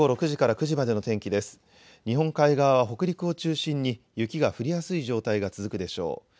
日本海側は北陸を中心に雪が降りやすい状態が続くでしょう。